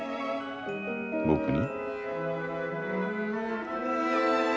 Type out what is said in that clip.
僕に？